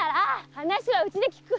話はうちで聞く。